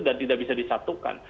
dan tidak bisa disatukan